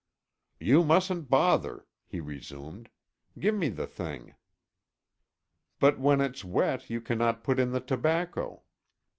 "You mustn't bother," he resumed. "Give me the thing." "But when it's wet you cannot put in the tobacco."